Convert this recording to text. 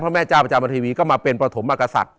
พระแม่เจ้าจามเทวีก็มาเป็นประถมอากษัตริย์